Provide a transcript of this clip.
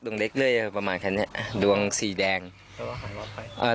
ดวงเล็กเรื่อยประมาณแค่เนี้ยดวงสี่แดงแล้วหายมาไปอ่า